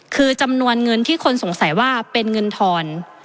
คือจำนวนเงินที่คนสงสัยว่าเป็นเงินทอน